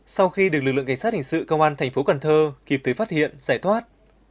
sau khi được lực lượng cảnh sát hình sự công an thành phố cần thơ kịp tới phát hiện giải thoát